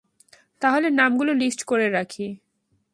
তাহলে, নামগুলো লিস্ট করে রাখি!